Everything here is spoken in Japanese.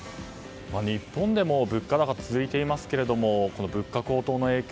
日本でも物価高が続いていますけれども物価高騰の影響